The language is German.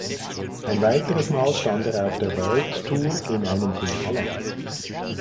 Ein weiteres Mal stand er auf der World Tour in einem Finale.